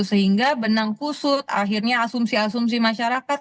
sehingga benang kusut akhirnya asumsi asumsi masyarakat